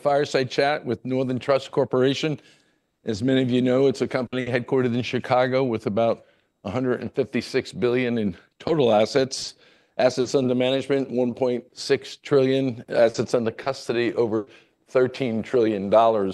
The fireside chat with Northern Trust Corporation. As many of you know, it's a company headquartered in Chicago with about $156 billion in total assets. Assets under management: $1.6 trillion. Assets under custody: over $13 trillion. I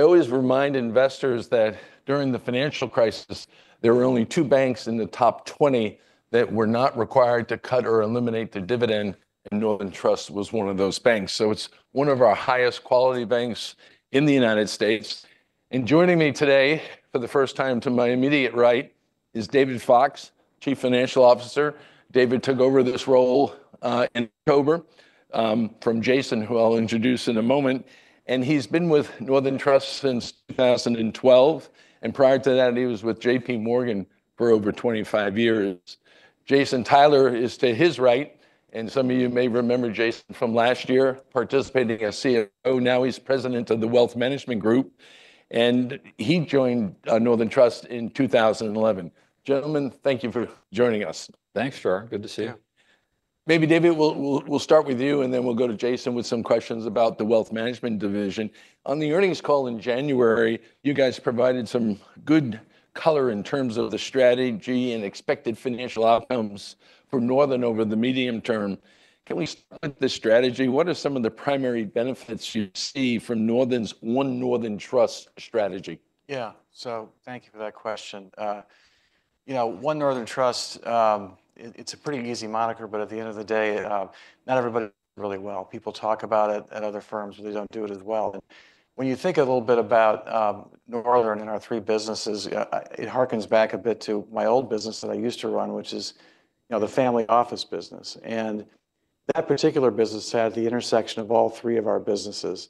always remind investors that during the financial crisis, there were only two banks in the top 20 that were not required to cut or eliminate their dividend, and Northern Trust was one of those banks. So it's one of our highest quality banks in the United States. And joining me today for the first time to my immediate right is David Fox, Chief Financial Officer. David took over this role in October from Jason, who I'll introduce in a moment. And he's been with Northern Trust since 2012. And prior to that, he was with JPMorgan for over 25 years. Jason Tyler is to his right. And some of you may remember Jason from last year participating as CFO. Now he's President of the Wealth Management Group. And he joined Northern Trust in 2011. Gentlemen, thank you for joining us. Thanks, Gerard. Good to see you. Maybe, David, we'll start with you, and then we'll go to Jason with some questions about the Wealth Management Division. On the earnings call in January, you guys provided some good color in terms of the strategy and expected financial outcomes for Northern over the medium term. Can we start with the strategy? What are some of the primary benefits you see from Northern's One Northern Trust strategy? Yeah, so thank you for that question. You know, One Northern Trust, it's a pretty easy moniker, but at the end of the day, not everybody does it really well. People talk about it at other firms, but they don't do it as well. And when you think a little bit about Northern and our three businesses, it harkens back a bit to my old business that I used to run, which is the family office business. And that particular business had the intersection of all three of our businesses.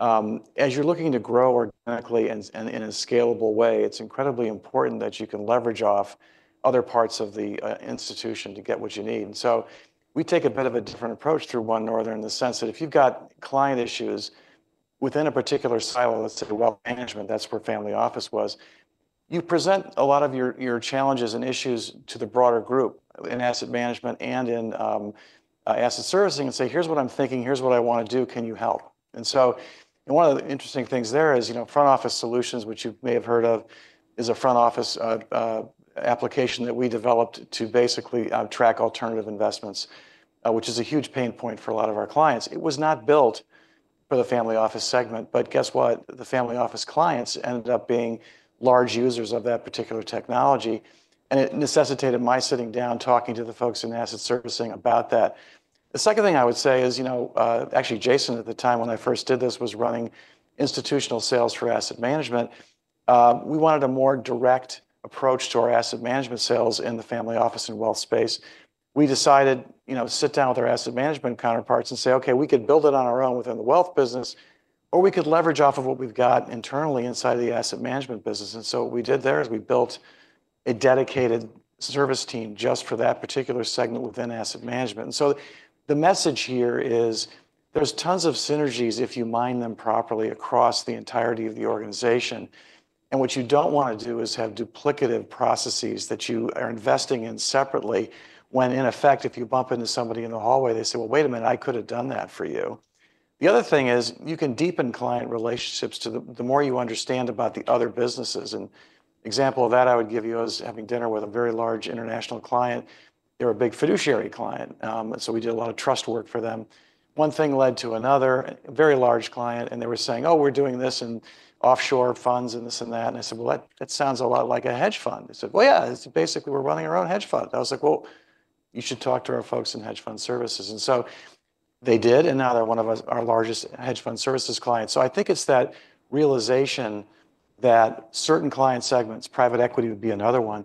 As you're looking to grow organically and in a scalable way, it's incredibly important that you can leverage off other parts of the institution to get what you need. And so we take a bit of a different approach through One Northern in the sense that if you've got client issues within a particular silo, let's say wealth management, that's where family office was, you present a lot of your challenges and issues to the broader group in asset management and in asset servicing and say, "Here's what I'm thinking. Here's what I want to do. Can you help?" And so one of the interesting things there is, you know, Front Office Solutions, which you may have heard of, is a front office application that we developed to basically track alternative investments, which is a huge pain point for a lot of our clients. It was not built for the family office segment, but guess what? The family office clients ended up being large users of that particular technology. And it necessitated my sitting down, talking to the folks in asset servicing about that. The second thing I would say is, you know, actually, Jason, at the time when I first did this, was running institutional sales for asset management. We wanted a more direct approach to our asset management sales in the family office and wealth space. We decided, you know, sit down with our asset management counterparts and say, "Okay, we could build it on our own within the wealth business, or we could leverage off of what we've got internally inside of the asset management business." And so what we did there is we built a dedicated service team just for that particular segment within asset management. And so the message here is there's tons of synergies, if you mine them properly, across the entirety of the organization. And what you don't want to do is have duplicative processes that you are investing in separately, when in effect, if you bump into somebody in the hallway, they say, "Well, wait a minute, I could have done that for you." The other thing is you can deepen client relationships the more you understand about the other businesses. And an example of that I would give you is having dinner with a very large international client. They're a big fiduciary client. And so we did a lot of trust work for them. One thing led to another, a very large client, and they were saying, "Oh, we're doing this in offshore funds and this and that." And I said, "Well, that sounds a lot like a hedge fund." They said, "Well, yeah, it's basically we're running our own hedge fund." I was like, "Well, you should talk to our folks in Hedge Fund Services," and so they did, and now they're one of our largest hedge fund services clients, so I think it's that realization that certain client segments, private equity would be another one.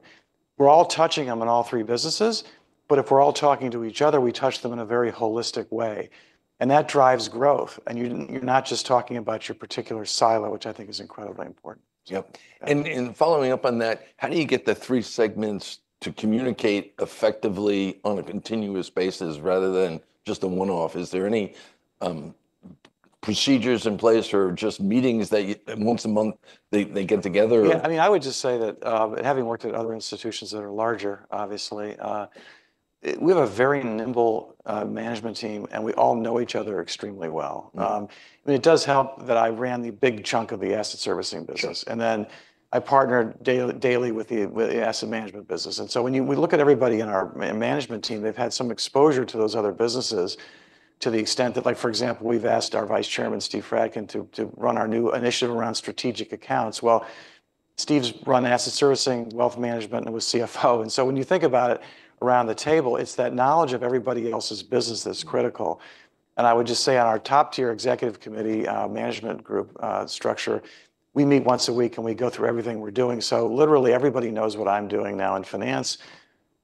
We're all touching them in all three businesses, but if we're all talking to each other, we touch them in a very holistic way, and that drives growth, and you're not just talking about your particular silo, which I think is incredibly important. Yep, and following up on that, how do you get the three segments to communicate effectively on a continuous basis rather than just a one-off? Is there any procedures in place or just meetings that once a month they get together? Yeah. I mean, I would just say that having worked at other institutions that are larger, obviously, we have a very nimble management team, and we all know each other extremely well. I mean, it does help that I ran the big chunk of the asset servicing business. And then I partnered daily with the asset management business. And so when we look at everybody in our management team, they've had some exposure to those other businesses to the extent that, like, for example, we've asked our Vice Chairman, Steve Fradkin, to run our new initiative around strategic accounts. Well, Steve's run asset servicing, wealth management, and was CFO. And so when you think about it around the table, it's that knowledge of everybody else's business that's critical. And I would just say on our top tier executive committee management group structure, we meet once a week and we go through everything we're doing. So literally everybody knows what I'm doing now in finance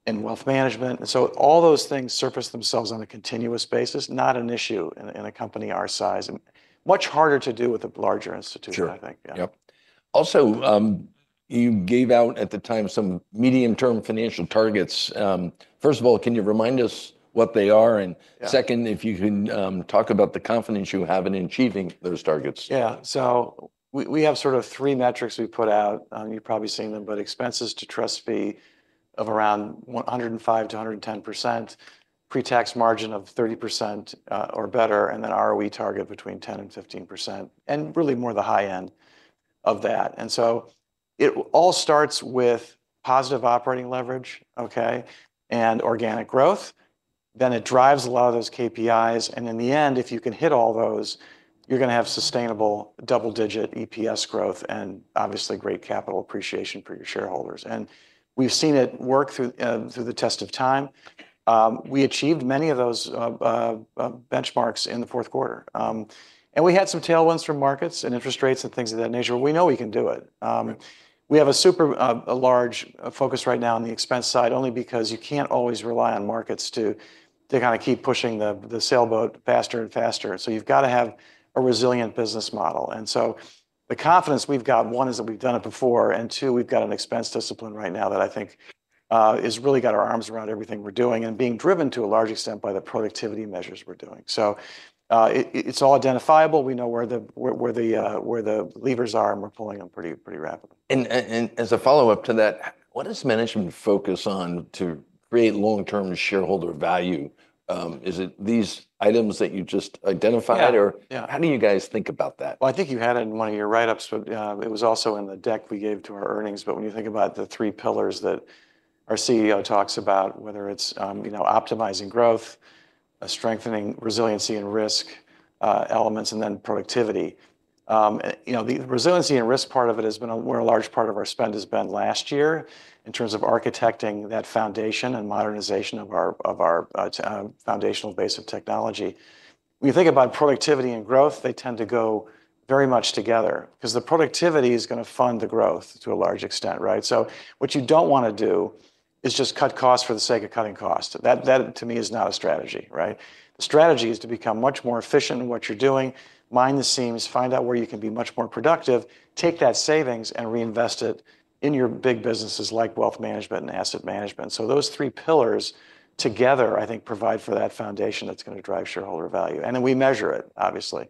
and wealth management. And so all those things surface themselves on a continuous basis, not an issue in a company our size. Much harder to do with a larger institution, I think. Yep. Also, you gave out at the time some medium-term financial targets. First of all, can you remind us what they are? And second, if you can talk about the confidence you have in achieving those targets. Yeah. So we have sort of three metrics we put out. You've probably seen them, but expenses to trust fee of around 105%-110%, pre-tax margin of 30% or better, and then ROE target between 10% and 15%, and really more the high end of that. And so it all starts with positive operating leverage, okay, and organic growth. Then it drives a lot of those KPIs. And in the end, if you can hit all those, you're going to have sustainable double-digit EPS growth and obviously great capital appreciation for your shareholders. And we've seen it work through the test of time. We achieved many of those benchmarks in the fourth quarter. And we had some tailwinds from markets and interest rates and things of that nature. We know we can do it. We have a super large focus right now on the expense side, only because you can't always rely on markets to kind of keep pushing the sailboat faster and faster. So you've got to have a resilient business model. And so the confidence we've got, one is that we've done it before. And two, we've got an expense discipline right now that I think has really got our arms around everything we're doing and being driven to a large extent by the productivity measures we're doing. So it's all identifiable. We know where the levers are and we're pulling them pretty rapidly. As a follow-up to that, what does management focus on to create long-term shareholder value? Is it these items that you just identified? Or how do you guys think about that? Well, I think you had it in one of your write-ups, but it was also in the deck we gave to our earnings. But when you think about the three pillars that our CEO talks about, whether it's optimizing growth, strengthening resiliency and risk elements, and then productivity. You know, the resiliency and risk part of it has been where a large part of our spend has been last year in terms of architecting that foundation and modernization of our foundational base of technology. When you think about productivity and growth, they tend to go very much together because the productivity is going to fund the growth to a large extent, right? So what you don't want to do is just cut costs for the sake of cutting costs. That, to me, is not a strategy, right? The strategy is to become much more efficient in what you're doing, mind the seams, find out where you can be much more productive, take that savings and reinvest it in your big businesses like wealth management and asset management. So those three pillars together, I think, provide for that foundation that's going to drive shareholder value. And then we measure it, obviously.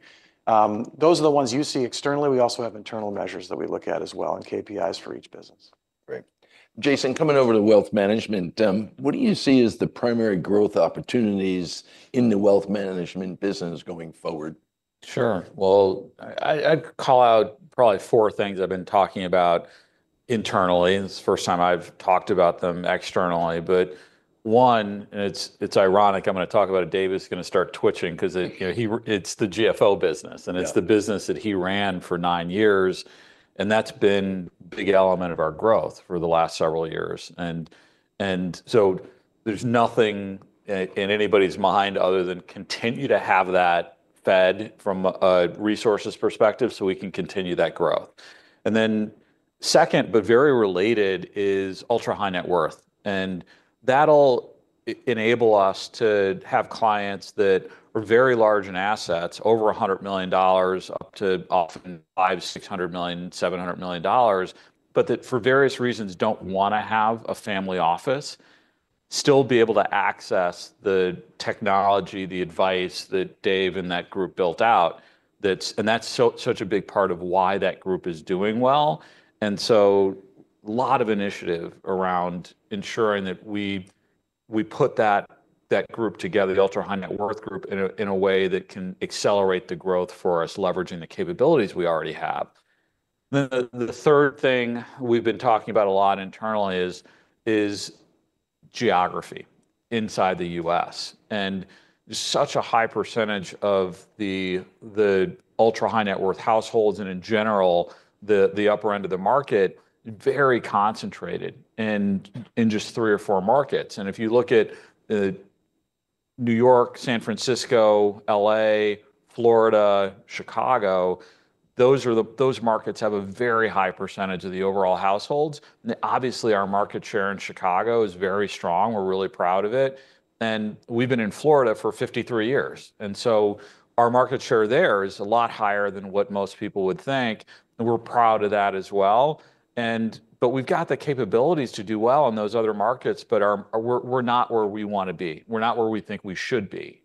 Those are the ones you see externally. We also have internal measures that we look at as well and KPIs for each business. Great. Jason, coming over to wealth management, what do you see as the primary growth opportunities in the wealth management business going forward? Sure. Well, I'd call out probably four things I've been talking about internally. It's the first time I've talked about them externally, but one, and it's ironic. I'm going to talk about it. David's going to start twitching because it's the GFO business, and it's the business that he ran for nine years, and that's been a big element of our growth for the last several years, and so there's nothing in anybody's mind other than continue to have that fed from a resources perspective so we can continue that growth, and then second, but very related, is ultra-high net worth. And that'll enable us to have clients that are very large in assets, over $100 million, up to often $500,000, $600 million, $700 million, but that for various reasons don't want to have a family office, still be able to access the technology, the advice that Dave and that group built out. And that's such a big part of why that group is doing well. And so a lot of initiative around ensuring that we put that group together, the ultra-high net worth group, in a way that can accelerate the growth for us, leveraging the capabilities we already have. The third thing we've been talking about a lot internally is geography inside the U.S. And there's such a high percentage of the ultra-high net worth households and in general, the upper end of the market, very concentrated in just three or four markets. If you look at New York, San Francisco, LA, Florida, Chicago, those markets have a very high percentage of the overall households. Obviously, our market share in Chicago is very strong. We're really proud of it. We've been in Florida for 53 years. Our market share there is a lot higher than what most people would think. We're proud of that as well. We've got the capabilities to do well in those other markets, but we're not where we want to be. We're not where we think we should be.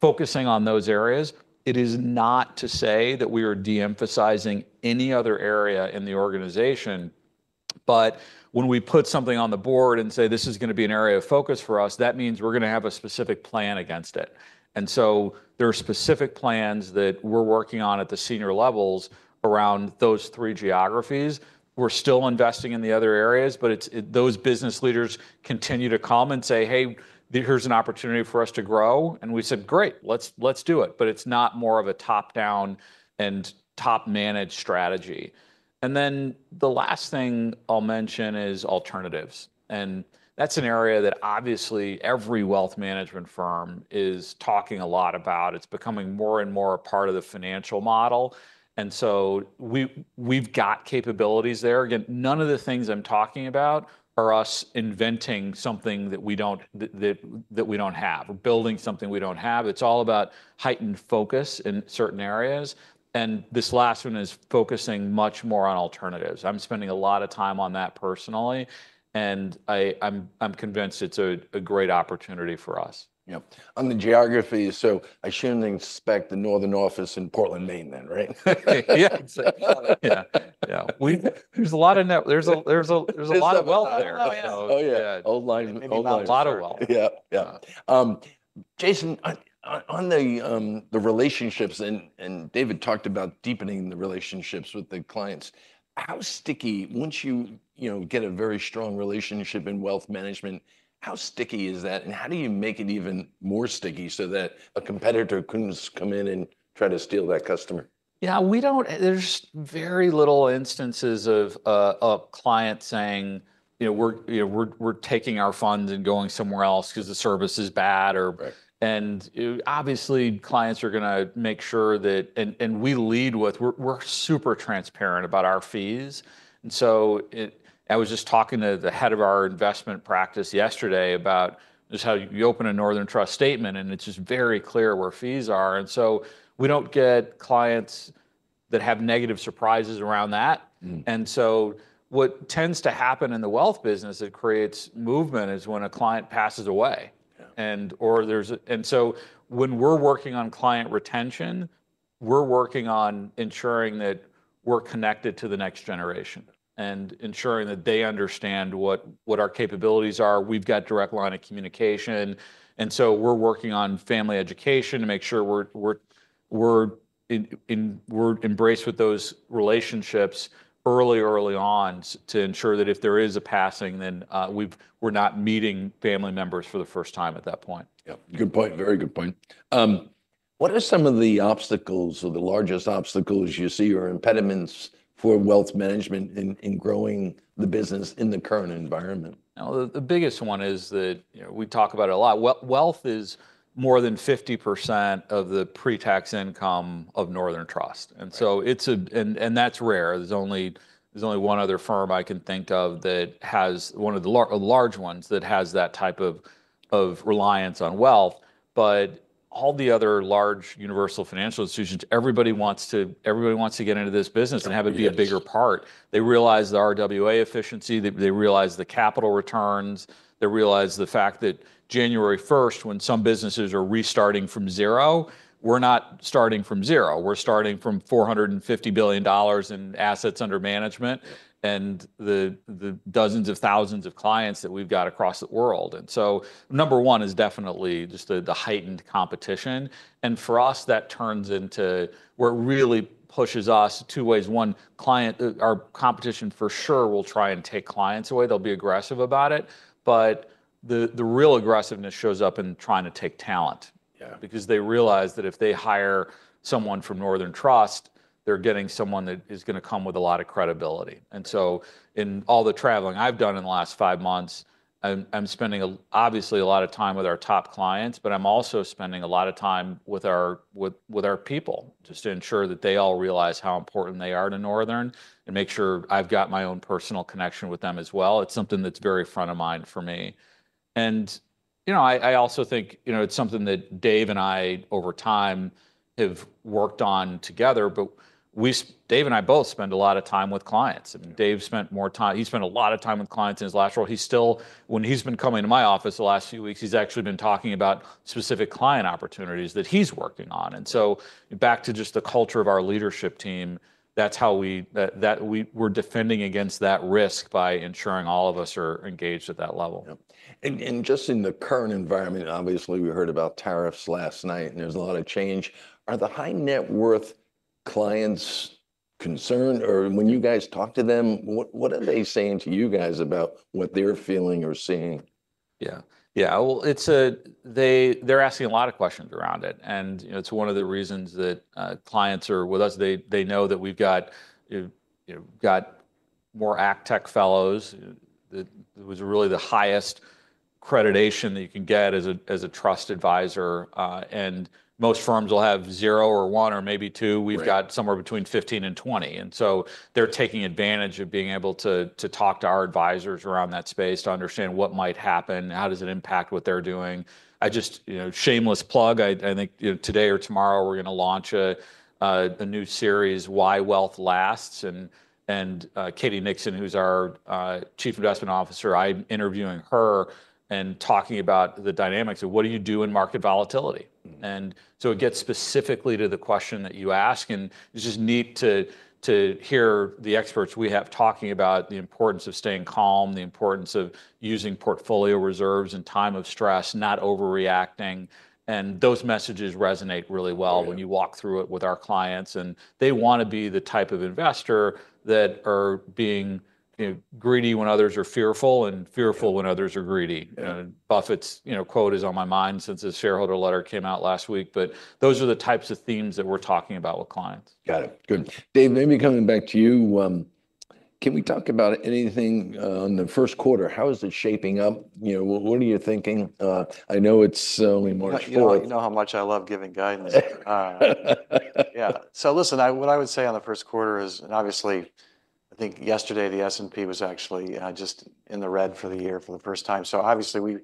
Focusing on those areas, it is not to say that we are de-emphasizing any other area in the organization. When we put something on the board and say, "This is going to be an area of focus for us," that means we're going to have a specific plan against it. And so there are specific plans that we're working on at the senior levels around those three geographies. We're still investing in the other areas, but those business leaders continue to come and say, "Hey, here's an opportunity for us to grow." And we said, "Great, let's do it." But it's not more of a top-down and top-managed strategy. And then the last thing I'll mention is alternatives. And that's an area that obviously every wealth management firm is talking a lot about. It's becoming more and more a part of the financial model. And so we've got capabilities there. Again, none of the things I'm talking about are us inventing something that we don't have. We're building something we don't have. It's all about heightened focus in certain areas. And this last one is focusing much more on alternatives. I'm spending a lot of time on that personally. I'm convinced it's a great opportunity for us. Yep. On the geography, so I shouldn't expect the Northern office in Portland, Maine then, right? Yeah. Yeah. Yeah. There's a lot of wealth there. Oh, yeah. Old line. A lot of wealth. Yep. Yep. Jason, on the relationships, and David talked about deepening the relationships with the clients, how sticky once you get a very strong relationship in wealth management, how sticky is that? And how do you make it even more sticky so that a competitor couldn't just come in and try to steal that customer? Yeah, there's very little instances of a client saying, "We're taking our funds and going somewhere else because the service is bad." And obviously, clients are going to make sure that, and we lead with, we're super transparent about our fees. And so I was just talking to the head of our investment practice yesterday about just how you open a Northern Trust statement, and it's just very clear where fees are. And so we don't get clients that have negative surprises around that. And so what tends to happen in the wealth business that creates movement is when a client passes away. And so when we're working on client retention, we're working on ensuring that we're connected to the next generation and ensuring that they understand what our capabilities are. We've got direct line of communication. And so we're working on family education to make sure we're engaged with those relationships early, early on to ensure that if there is a passing, then we're not meeting family members for the first time at that point. Yep. Good point. Very good point. What are some of the obstacles or the largest obstacles you see or impediments for wealth management in growing the business in the current environment? The biggest one is that we talk about it a lot. Wealth is more than 50% of the pre-tax income of Northern Trust, and so that's rare. There's only one other firm I can think of that has one of the large ones that has that type of reliance on wealth, but all the other large universal financial institutions, everybody wants to get into this business and have it be a bigger part. They realize the RWA efficiency. They realize the capital returns. They realize the fact that January 1st, when some businesses are restarting from zero, we're not starting from zero. We're starting from $450 billion in assets under management and the dozens of thousands of clients that we've got across the world, and so number one is definitely just the heightened competition, and for us, that turns into where it really pushes us two ways. One, our competition for sure will try and take clients away. They'll be aggressive about it. But the real aggressiveness shows up in trying to take talent because they realize that if they hire someone from Northern Trust, they're getting someone that is going to come with a lot of credibility. And so in all the traveling I've done in the last five months, I'm spending obviously a lot of time with our top clients, but I'm also spending a lot of time with our people just to ensure that they all realize how important they are to Northern and make sure I've got my own personal connection with them as well. It's something that's very front of mind for me. And you know I also think it's something that Dave and I over time have worked on together. But Dave and I both spend a lot of time with clients. And Dave spent more time, he spent a lot of time with clients in his last role. When he's been coming to my office the last few weeks, he's actually been talking about specific client opportunities that he's working on. And so back to just the culture of our leadership team, that's how we're defending against that risk by ensuring all of us are engaged at that level. Just in the current environment, obviously, we heard about tariffs last night, and there's a lot of change. Are the high net worth clients concerned? Or when you guys talk to them, what are they saying to you guys about what they're feeling or seeing? Yeah. Yeah. Well, they're asking a lot of questions around it. And it's one of the reasons that clients are with us. They know that we've got more ACTEC fellows. It was really the highest accreditation that you can get as a trust advisor. And most firms will have zero or one or maybe two. We've got somewhere between 15 and 20. And so they're taking advantage of being able to talk to our advisors around that space to understand what might happen, how does it impact what they're doing. Just a shameless plug. I think today or tomorrow, we're going to launch a new series, Why Wealth Lasts. And Katie Nixon, who's our Chief Investment Officer, I'm interviewing her and talking about the dynamics of what do you do in market volatility. And so it gets specifically to the question that you ask. It's just neat to hear the experts we have talking about the importance of staying calm, the importance of using portfolio reserves in time of stress, not overreacting. And those messages resonate really well when you walk through it with our clients. And they want to be the type of investor that are being greedy when others are fearful and fearful when others are greedy. Buffett's quote is on my mind since his shareholder letter came out last week. Those are the types of themes that we're talking about with clients. Got it. Good. Dave, maybe coming back to you, can we talk about anything on the first quarter? How is it shaping up? What are you thinking? I know it's only March 4th. You know how much I love giving guidance. Yeah. So listen, what I would say on the first quarter is, and obviously, I think yesterday the S&P was actually just in the red for the year for the first time. So obviously,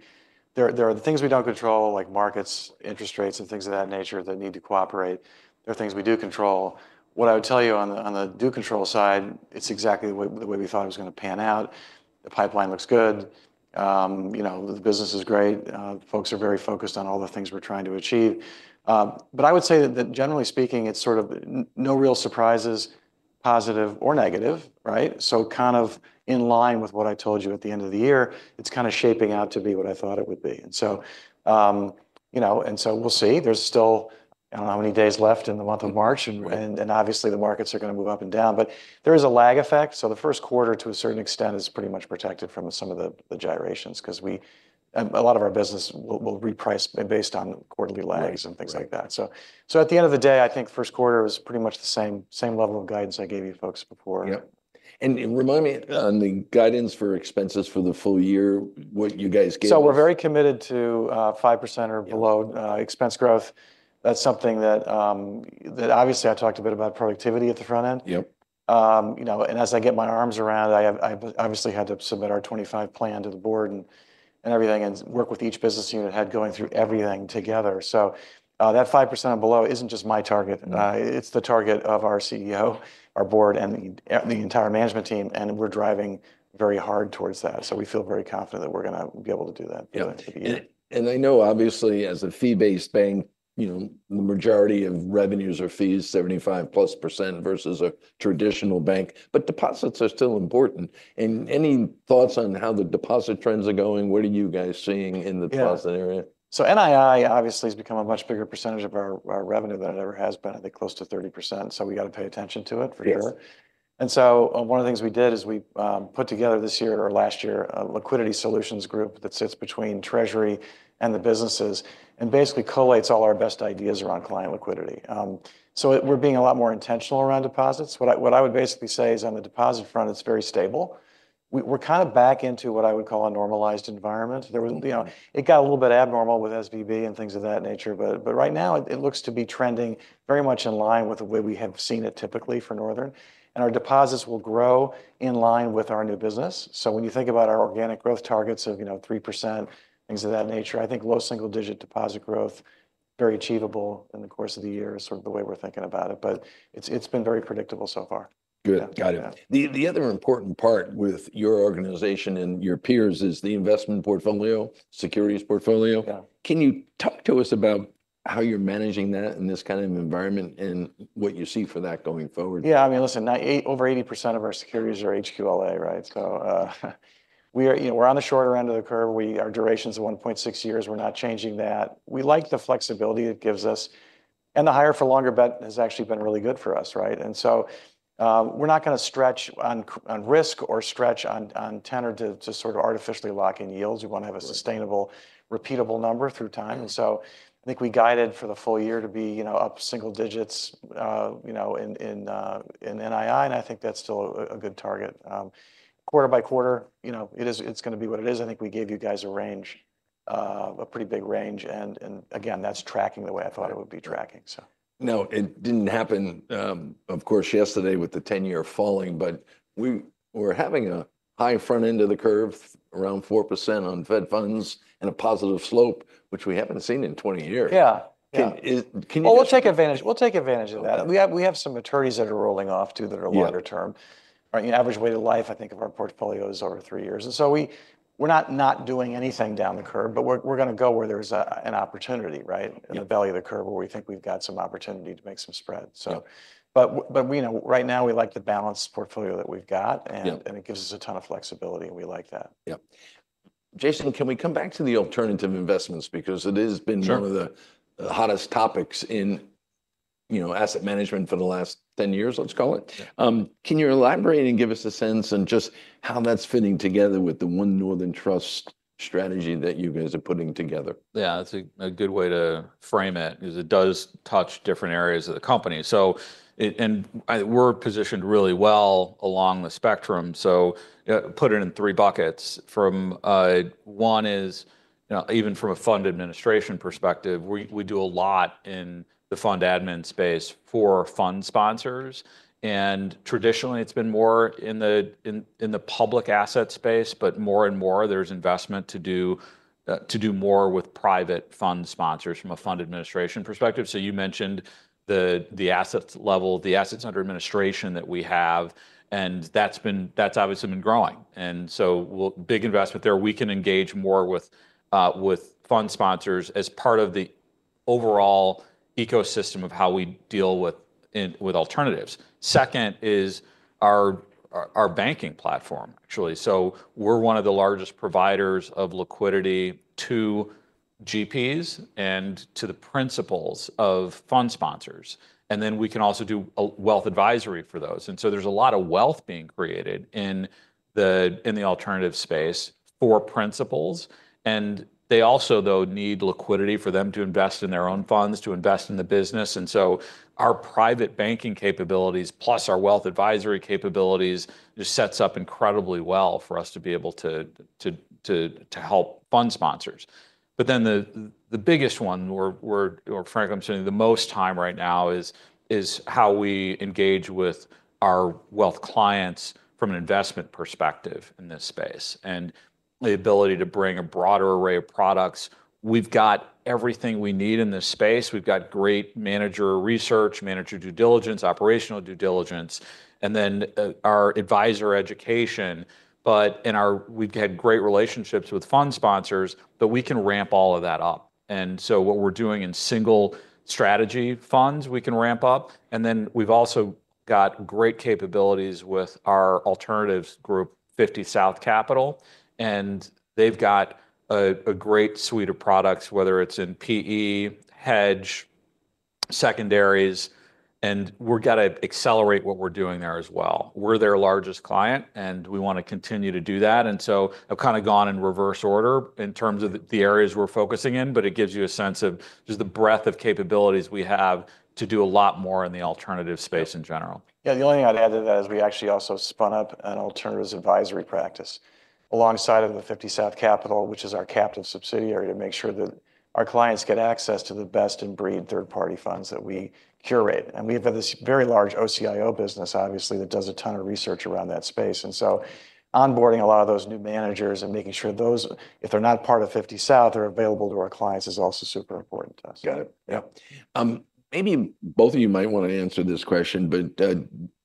there are things we don't control, like markets, interest rates, and things of that nature that need to cooperate. There are things we do control. What I would tell you on the do control side, it's exactly the way we thought it was going to pan out. The pipeline looks good. The business is great. Folks are very focused on all the things we're trying to achieve. But I would say that generally speaking, it's sort of no real surprises, positive or negative, right? So kind of in line with what I told you at the end of the year, it's kind of shaping out to be what I thought it would be. And so we'll see. There's still, I don't know how many days left in the month of March. And obviously, the markets are going to move up and down. But there is a lag effect. So the first quarter, to a certain extent, is pretty much protected from some of the gyrations because a lot of our business will reprice based on quarterly lags and things like that. So at the end of the day, I think first quarter is pretty much the same level of guidance I gave you folks before. Yep. And remind me on the guidance for expenses for the full year, what you guys gave us? We're very committed to 5% or below expense growth. That's something that obviously I talked a bit about productivity at the front end. And as I get my arms around, I obviously had to submit our 2025 plan to the board and everything and work with each business unit head going through everything together. So that 5% or below isn't just my target. It's the target of our CEO, our board, and the entire management team. And we're driving very hard towards that. So we feel very confident that we're going to be able to do that. I know, obviously, as a fee-based bank, the majority of revenues are fees, 75% plus versus a traditional bank. But deposits are still important. And any thoughts on how the deposit trends are going? What are you guys seeing in the deposit area? NII obviously has become a much bigger percentage of our revenue than it ever has been, I think close to 30%. We got to pay attention to it for sure. One of the things we did is we put together this year or last year a Liquidity Solutions Group that sits between treasury and the businesses and basically collates all our best ideas around client liquidity. We're being a lot more intentional around deposits. What I would basically say is on the deposit front, it's very stable. We're kind of back into what I would call a normalized environment. It got a little bit abnormal with SVB and things of that nature. Right now, it looks to be trending very much in line with the way we have seen it typically for Northern. Our deposits will grow in line with our new business. So when you think about our organic growth targets of 3%, things of that nature, I think low single-digit deposit growth, very achievable in the course of the year is sort of the way we're thinking about it. But it's been very predictable so far. Good. Got it. The other important part with your organization and your peers is the investment portfolio, securities portfolio. Can you talk to us about how you're managing that in this kind of environment and what you see for that going forward? Yeah. I mean, listen, over 80% of our securities are HQLA, right? So we're on the shorter end of the curve. Our duration is 1.6 years. We're not changing that. We like the flexibility it gives us. And the higher for longer bet has actually been really good for us, right? And so we're not going to stretch on risk or stretch on tenor to sort of artificially lock in yields. We want to have a sustainable, repeatable number through time. And so I think we guided for the full year to be up single digits in NII. And I think that's still a good target. Quarter by quarter, it's going to be what it is. I think we gave you guys a range, a pretty big range. And again, that's tracking the way I thought it would be tracking, so. Now, it didn't happen, of course, yesterday with the 10-year falling, but we were having a high front end of the curve around 4% on Fed funds and a positive slope, which we haven't seen in 20 years. Yeah. Well, we'll take advantage of that. We have some maturities that are rolling off too that are longer term. The average weighted life, I think, of our portfolio is over three years. And so we're not doing anything down the curve, but we're going to go where there's an opportunity, right, in the belly of the curve where we think we've got some opportunity to make some spreads. But right now, we like the balanced portfolio that we've got. And it gives us a ton of flexibility. We like that. Yep. Jason, can we come back to the alternative investments because it has been one of the hottest topics in asset management for the last 10 years, let's call it? Can you elaborate and give us a sense on just how that's fitting together with the One Northern Trust strategy that you guys are putting together? Yeah, that's a good way to frame it because it does touch different areas of the company, and we're positioned really well along the spectrum, so put it in three buckets. One is, even from a fund administration perspective, we do a lot in the fund admin space for fund sponsors, and traditionally, it's been more in the public asset space, but more and more there's investment to do more with private fund sponsors from a fund administration perspective, so you mentioned the assets under administration that we have, and that's obviously been growing, and so big investment there. We can engage more with fund sponsors as part of the overall ecosystem of how we deal with alternatives. Second is our banking platform, actually, so we're one of the largest providers of liquidity to GPs and to the principals of fund sponsors. And then we can also do wealth advisory for those. And so there's a lot of wealth being created in the alternative space for principals. And they also, though, need liquidity for them to invest in their own funds, to invest in the business. And so our private banking capabilities plus our wealth advisory capabilities just sets up incredibly well for us to be able to help fund sponsors. But then the biggest one, or frankly, I'm spending the most time right now, is how we engage with our wealth clients from an investment perspective in this space and the ability to bring a broader array of products. We've got everything we need in this space. We've got great manager research, manager due diligence, operational due diligence, and then our advisor education. But we've had great relationships with fund sponsors, but we can ramp all of that up. And so what we're doing in single strategy funds, we can ramp up. And then we've also got great capabilities with our alternatives group, 50 South Capital. And they've got a great suite of products, whether it's in PE, hedge, secondaries. And we've got to accelerate what we're doing there as well. We're their largest client, and we want to continue to do that. And so I've kind of gone in reverse order in terms of the areas we're focusing in, but it gives you a sense of just the breadth of capabilities we have to do a lot more in the alternative space in general. Yeah. The only thing I'd add to that is we actually also spun up an alternative advisory practice alongside of the 50 South Capital, which is our captive subsidiary, to make sure that our clients get access to the best-in-breed third-party funds that we curate, and we have this very large OCIO business, obviously, that does a ton of research around that space, and so onboarding a lot of those new managers and making sure those, if they're not part of 50 South, they're available to our clients is also super important to us. Got it. Yep. Maybe both of you might want to answer this question, but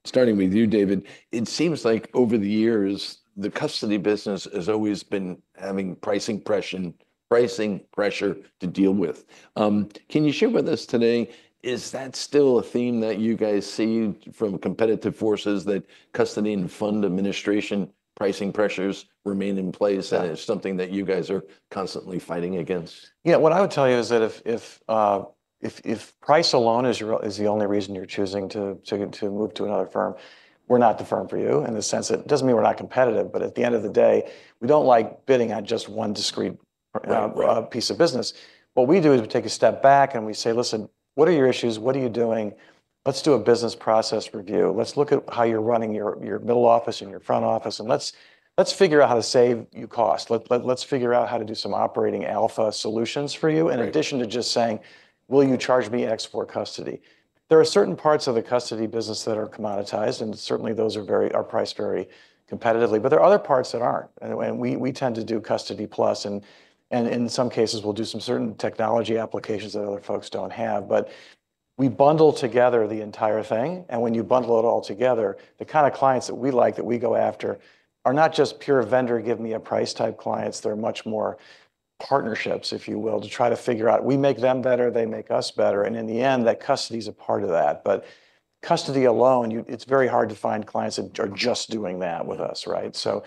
starting with you, David, it seems like over the years, the custody business has always been having pricing pressure to deal with. Can you share with us today, is that still a theme that you guys see from competitive forces, that custody and fund administration pricing pressures remain in place? Is that something that you guys are constantly fighting against? Yeah. What I would tell you is that if price alone is the only reason you're choosing to move to another firm, we're not the firm for you in the sense that it doesn't mean we're not competitive. But at the end of the day, we don't like bidding on just one discrete piece of business. What we do is we take a step back and we say, "Listen, what are your issues? What are you doing? Let's do a business process review. Let's look at how you're running your middle office and your front office. And let's figure out how to save you costs. Let's figure out how to do some operating alpha solutions for you in addition to just saying, 'Will you charge me X for custody?'" There are certain parts of the custody business that are commoditized, and certainly those are priced very competitively. But there are other parts that aren't. And we tend to do custody plus. And in some cases, we'll do some certain technology applications that other folks don't have. But we bundle together the entire thing. And when you bundle it all together, the kind of clients that we like that we go after are not just pure vendor, give me a price type clients. They're much more partnerships, if you will, to try to figure out. We make them better. They make us better. And in the end, that custody is a part of that. But custody alone, it's very hard to find clients that are just doing that with us, right? So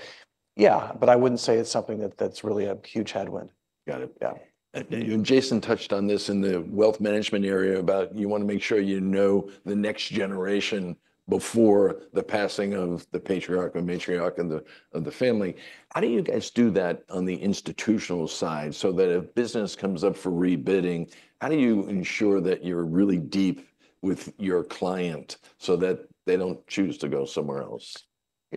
yeah, but I wouldn't say it's something that's really a huge headwind. Got it. Yeah, and Jason touched on this in the wealth management area about you want to make sure you know the next generation before the passing of the patriarch and matriarch and the family. How do you guys do that on the institutional side so that if business comes up for rebidding, how do you ensure that you're really deep with your client so that they don't choose to go somewhere else?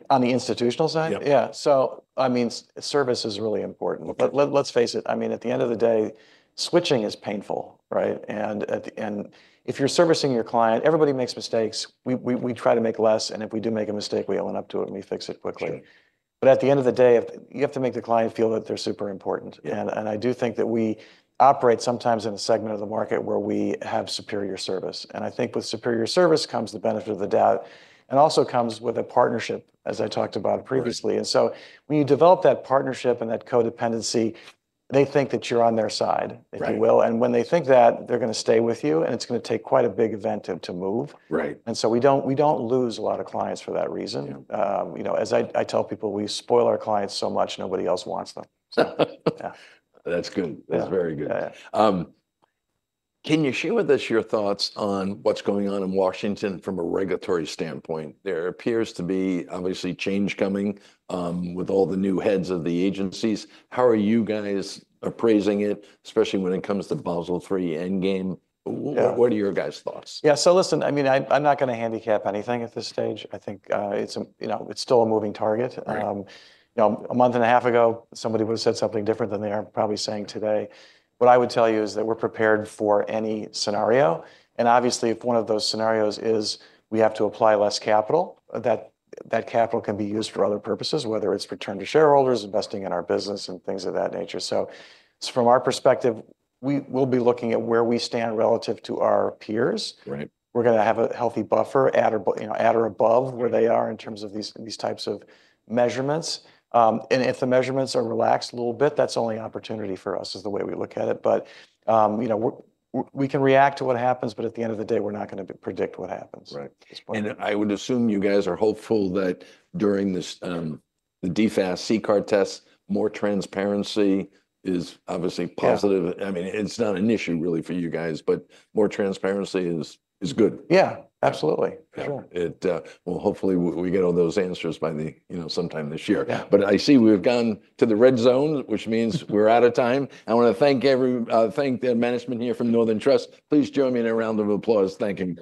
On the institutional side? Yeah. Yeah. So I mean, service is really important. But let's face it. I mean, at the end of the day, switching is painful, right? And if you're servicing your client, everybody makes mistakes. We try to make less. And if we do make a mistake, we own up to it and we fix it quickly. But at the end of the day, you have to make the client feel that they're super important. And I do think that we operate sometimes in a segment of the market where we have superior service. And I think with superior service comes the benefit of the doubt and also comes with a partnership, as I talked about previously. And so when you develop that partnership and that codependency, they think that you're on their side, if you will. And when they think that, they're going to stay with you. It's going to take quite a big event to move. And so we don't lose a lot of clients for that reason. As I tell people, we spoil our clients so much, nobody else wants them. That's good. That's very good. Can you share with us your thoughts on what's going on in Washington from a regulatory standpoint? There appears to be, obviously, change coming with all the new heads of the agencies. How are you guys appraising it, especially when it comes to Basel III Endgame? What are your guys' thoughts? Yeah. So listen, I mean, I'm not going to handicap anything at this stage. I think it's still a moving target. A month and a half ago, somebody would have said something different than they are probably saying today. What I would tell you is that we're prepared for any scenario. And obviously, if one of those scenarios is we have to apply less capital, that capital can be used for other purposes, whether it's return to shareholders, investing in our business, and things of that nature. So from our perspective, we'll be looking at where we stand relative to our peers. We're going to have a healthy buffer at or above where they are in terms of these types of measurements. And if the measurements are relaxed a little bit, that's only opportunity for us is the way we look at it. But we can react to what happens, but at the end of the day, we're not going to predict what happens. Right, and I would assume you guys are hopeful that during the DFAST CCAR tests, more transparency is obviously positive. I mean, it's not an issue really for you guys, but more transparency is good. Yeah. Absolutely. Yeah. Well, hopefully, we get all those answers by sometime this year. But I see we've gone to the red zone, which means we're out of time. I want to thank the management here from Northern Trust. Please join me in a round of applause. Thank you.